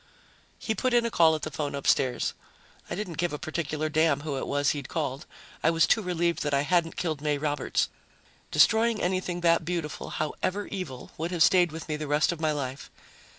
He put in a call at the phone upstairs. I didn't give a particular damn who it was he'd called. I was too relieved that I hadn't killed May Roberts; destroying anything that beautiful, however evil, would have stayed with me the rest of my life.